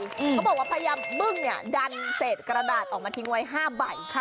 เขาบอกว่าพยายามบึ้งดันเศษกระดาษออกมาทิ้งไว้๕ใบ